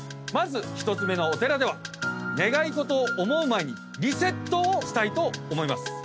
まず１つ目のお寺では願い事を思う前にリセットをしたいと思います。